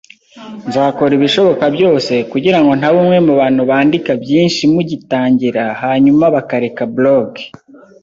Nzakora ibishoboka byose kugirango ntaba umwe mubantu bandika byinshi mugitangira hanyuma bakareka blog.